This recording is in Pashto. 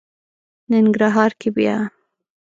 ننګرهار کې بیا...